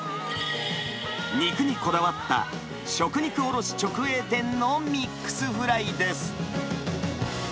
肉にこだわった食肉卸直営店のミックスフライです。